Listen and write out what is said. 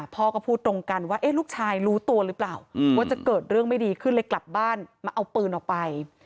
พ่อก็พูดตรงกันว่าลูกชายรู้ตัวหรือเปล่าว่าจะเกิดเรื่องไม่ดีขึ้นเลยกลับบ้านมาเอาปืนออกไป